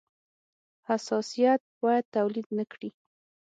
حساسیت باید تولید نه کړي.